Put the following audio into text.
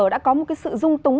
đã có một cái sự rung túng